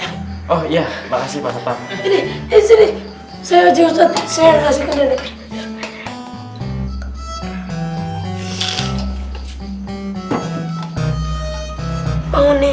oh iya makasih pak setan ini sini saya uji ustadz saya kasihkan nenek